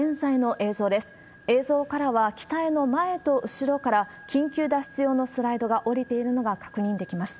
映像からは機体の前と後ろから、緊急脱出用のスライドがおりているのが確認できます。